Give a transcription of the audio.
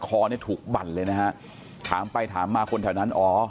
คอเนี่ยถูกบั่นเลยนะฮะถามไปถามมาคนแถวนั้นอ๋อ